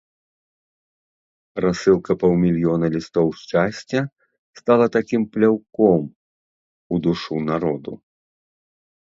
Рассылка паўмільёна лістоў шчасця стала такім пляўком у душу народу.